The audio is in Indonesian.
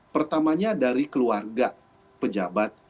pertamanya dari keluarga pejabat